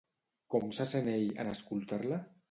Com se sent ell en escoltar-la?